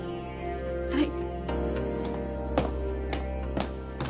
はい。